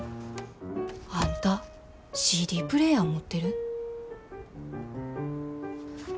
あんたＣＤプレーヤー持ってる？